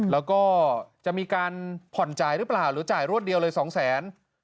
แล้วก็จะมีการผ่อนจ่ายหรือเปล่าหรือจ่ายรวดเดียวเลย๒แสน